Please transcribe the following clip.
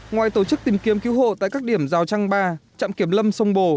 ngoài tổ chức tìm kiếm cứu hộ tại các điểm giao trang ba trạm kiểm lâm sông bồ